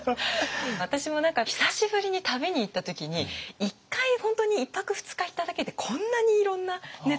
私も何か久しぶりに旅に行った時に１回本当に１泊２日行っただけでこんなにいろんなネタがっていうので。